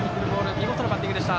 見事なバッティングでした。